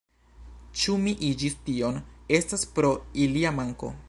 Ĉu mi iĝis tion, estas pro ilia manko.